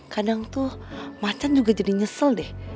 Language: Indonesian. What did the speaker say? kadang tuh macan juga jadi nyesel deh